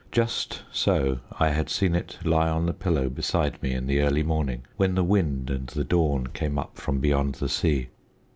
Just so I had seen it lie on the pillow beside me in the early morning when the wind and the dawn came up from beyond the sea.